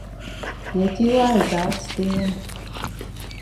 Ieķīlāja zelta stieni.